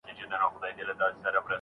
نوی علم ځانګړي خاصيتونه پيدا کړل.